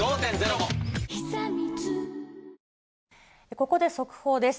ここで速報です。